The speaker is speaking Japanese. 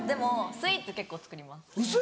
スイーツ結構作ります。